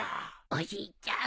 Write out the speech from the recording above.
おじいちゃん